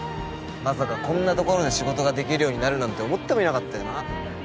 まさかこんなところで仕事ができるようになるなんて思ってもいなかったよな。